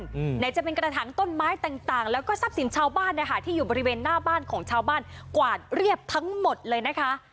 ไหนจะเป็นกระถางต้นไม้ต่างต่างแล้วก็ทรัพย์สินชาวบ้านนะคะที่อยู่บริเวณหน้าบ้านของชาวบ้านกวาดเรียบทั้งหมดเลยนะคะ